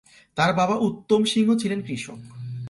তাঁর বাবা উত্তম সিংহ ছিলেন কৃষক।